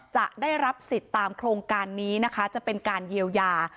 จะได้รับสิทธิ์ตามโครงการนี้นะคะจะเป็นการเยียวยา